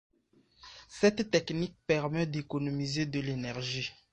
Cette technique permet d'économiser de l'énergie.